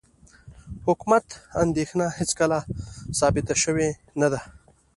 د حکومت اندېښنه هېڅکله ثابته شوې نه ده.